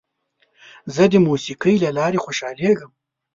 زه د موسیقۍ له لارې خوشحالېږم.